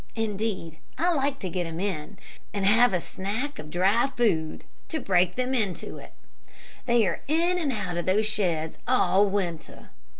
Indeed, I like to get them in, and have a snack of dry food, to break them in to it. They are in and out of those sheds all winter.